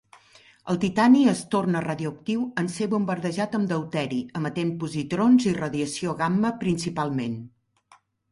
El titani es torna radioactiu en ser bombardejat amb deuteri, emetent positrons i radiació gamma principalment.